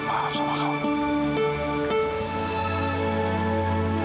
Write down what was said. bukan saya yang selama ini kamu cari